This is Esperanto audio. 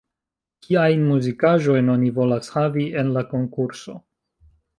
Kiajn muzikaĵojn oni volas havi en la konkurso?